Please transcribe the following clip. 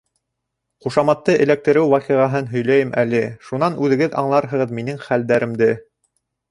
Ҡушаматты эләктереү ваҡиғаһын һөйләйем әле, шунан үҙегеҙ аңларһығыҙ минең хәлдәремде.